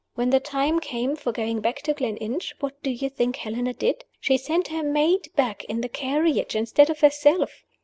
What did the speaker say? When the time came for going back to Gleninch, what do you think Helena did? She sent her maid back in the carriage, instead of herself!